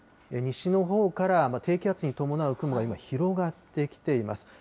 西のほうから低気圧に伴う雲が今、広がってきています。